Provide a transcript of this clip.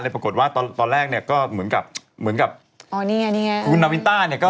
เลยปรากฏว่าตอนแรกก็เหมือนกับคุณนาวินต้า